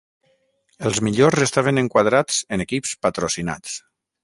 Els millors estaven enquadrats en equips patrocinats.